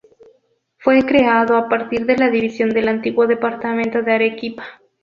Fue creado a partir de la división del antiguo Departamento de Arequipa.